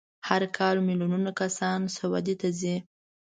هر کال میلیونونه کسان سعودي ته ځي.